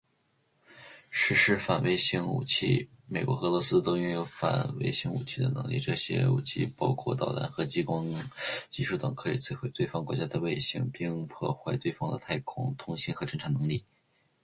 实施反卫星武器：美国和俄罗斯都拥有反卫星武器的能力。这些武器包括导弹和激光技术等，可以摧毁对方国家的卫星，并破坏对方的太空通信和侦察能力。